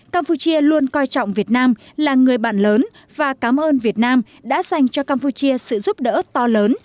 campuchia luôn coi trọng việt nam là người bạn lớn và cảm ơn việt nam đã dành cho campuchia sự giúp đỡ to lớn